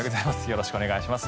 よろしくお願いします。